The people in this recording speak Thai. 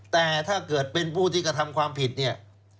แต่ถ้าเกิดเป็นผู้ที่กระทำความผิดเนี่ย